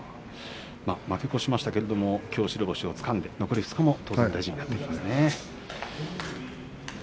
負け越しましたがきょう白星をつかんで残り２日ももちろん大事になってきますね。